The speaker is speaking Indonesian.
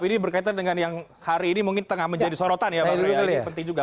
ini berkaitan dengan yang hari ini mungkin tengah menjadi sorotan ya